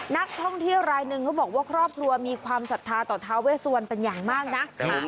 นักท่องเที่ยวรายหนึ่งเขาบอกว่าครอบครัวมีความศรัทธาต่อท้าเวสวันเป็นอย่างมากนะ